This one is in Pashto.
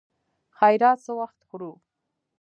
خيرات څه وخت خورو.